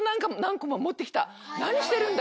何してるんだ？